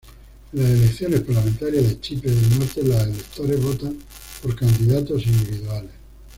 En las elecciones parlamentarias de Chipre del Norte, los electores votan por candidatos individuales.